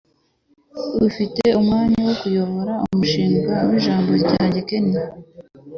Ufite umwanya wo kuyobora umushinga wijambo ryanjye Ken?